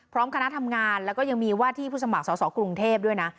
คณะทำงานแล้วก็ยังมีว่าที่ผู้สมัครสอสอกรุงเทพด้วยนะ